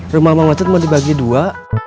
rumah macet mau dibagi dua